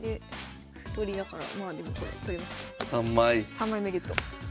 ３枚目ゲット。